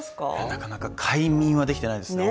なかなか、快眠はできていないですね。